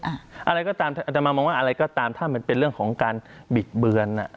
อะไรก็ตามอัตมามองว่าอะไรก็ตามถ้ามันเป็นเรื่องของการบิดเบือน